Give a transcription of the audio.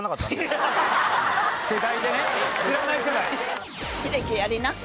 世代でね知らないくらい。